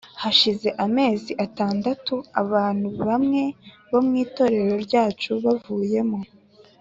Hashize amezi atandatu abantu bamwe bo mu itorero ryacu bavuyemo